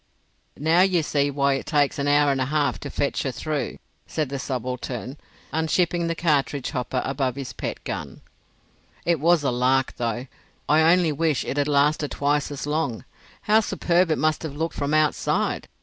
"Now, you see why it takes an hour and a half to fetch her through," said the subaltern, unshipping the cartridge hopper above his pet gun. "It was a lark, though. I only wish it had lasted twice as long. How superb it must have looked from outside!"